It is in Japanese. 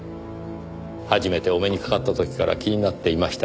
初めてお目にかかった時から気になっていました。